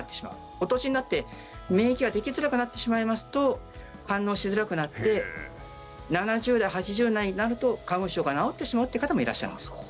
お年になって、免疫ができづらくなってしまいますと反応しづらくなって７０代、８０代になると花粉症が治ってしまうっていう方もいらっしゃいます。